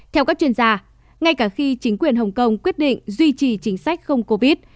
theo các chuyên gia ngay cả khi chính quyền hồng kông quyết định duy trì chính sách không covid